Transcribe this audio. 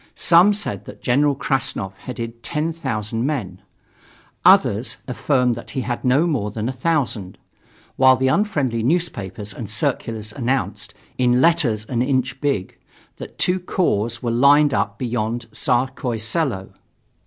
Some said that General Krassnov headed ten thousand men; others affirmed that he had no more than a thousand; while the unfriendly newspapers and circulars announced, in letters an inch big, that two corps were lined up beyond Tsarskoye Selo.